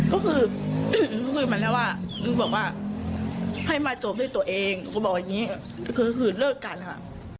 ก็คือคือมันแหละว่าคือบอกว่าให้มาจบด้วยตัวเองก็บอกว่าอย่างนี้คือเลิกกันค่ะ